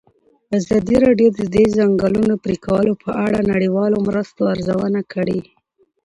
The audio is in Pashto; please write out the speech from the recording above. ازادي راډیو د د ځنګلونو پرېکول په اړه د نړیوالو مرستو ارزونه کړې.